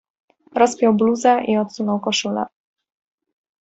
"Rozpiął bluzę i odsunął koszulę."